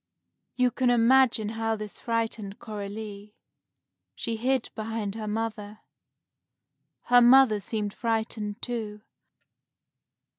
You can imagine how this frightened Coralie. She hid behind her mother. Her mother seemed frightened, too.